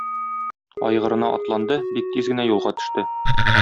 Айгырына атланды, бик тиз генә юлга төште.